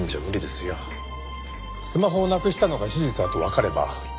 スマホをなくしたのが事実だとわかれば。